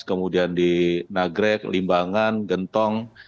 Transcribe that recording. kemudian di nagrek limbangan gentong